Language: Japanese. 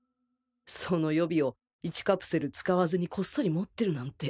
その予備を１カプセル使わずにコッソリ持ってるなんて